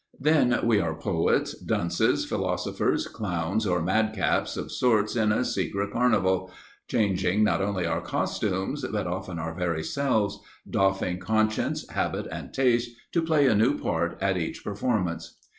Then we are poets, dunces, philosophers, clowns or madcaps of sorts in a secret carnival, changing not only our costumes, but often our very selves, doffing conscience, habit and taste, to play a new part at each performance.